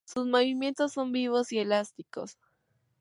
Sus movimientos son vivos y elásticos.